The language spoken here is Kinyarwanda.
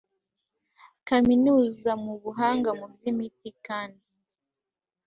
Kaminuza mu buhanga mu by imiti kandi